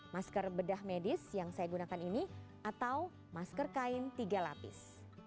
masker bedah medis yang saya gunakan ini atau masker kain tiga lapis